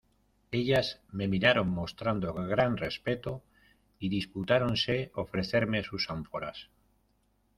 ellas me miraron mostrando gran respeto, y disputáronse ofrecerme sus ánforas